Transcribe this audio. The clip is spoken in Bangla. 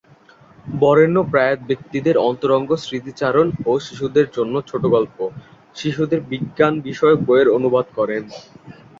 বরেণ্য প্রয়াত ব্যক্তিত্বদের অন্তরঙ্গ স্মৃতিচারণ ও শিশুদের জন্য ছোটগল্প, শিশুদের বিজ্ঞান বিষয়ক বইয়ের অনুবাদ করেন।